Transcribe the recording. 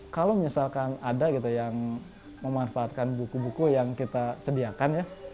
kalau misalkan ada gitu yang memanfaatkan buku buku yang kita sediakan ya